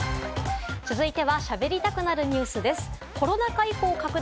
続いては、しゃべりたくなるニュスです。